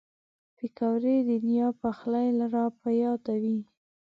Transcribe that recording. پکورې د نیا پخلی را په یادوي